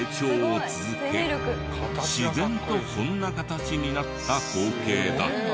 自然とこんな形になった光景だった。